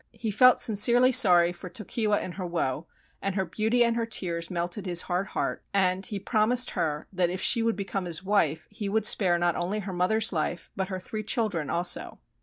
He felt sincerely sorry for Tokiwa in her woe, and her beauty and her tears melted his hard heart, and he promised her that if she would become his wife he would spare not only her mother's life, but her three children also.